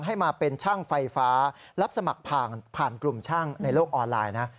ให้มาเป็นช่างไฟฟ้ารับสมัครผ่านกลุ่มช่างในโลกออนไลน์นะ